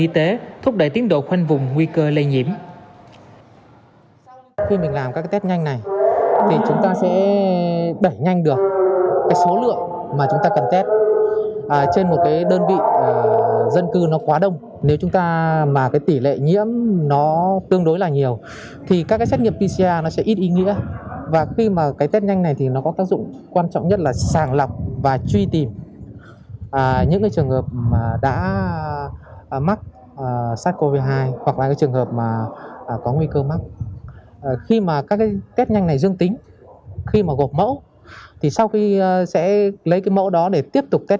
thì sau khi sẽ lấy cái mẫu đó để tiếp tục test nhanh trong từng cái mẫu một